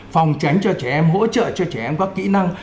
phòng tránh cho trẻ em hỗ trợ cho trẻ em các kỹ năng